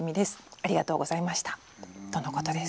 ありがとうございました」とのことです。